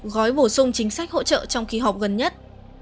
gói bổ sung chính sách hỗ trợ trong kỳ họp gần nhất